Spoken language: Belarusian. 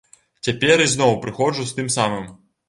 Цяпер ізноў прыходжу з тым самым.